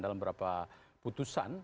dalam beberapa putusan